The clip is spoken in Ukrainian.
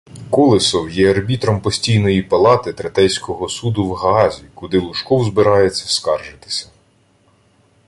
Колесов є арбітром Постійної палати Третейського суду в Гаазі, куди Лужков збирається скаржитися